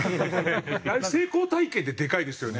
ああいう成功体験ってでかいですよね。